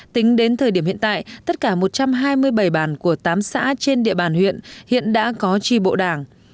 tính đến thời điểm hiện tại tất cả một trăm hai mươi bảy bản của tám xã trên địa bàn huyện hiện đã có tri bộ đảng